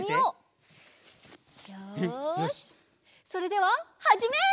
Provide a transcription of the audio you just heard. それでははじめい！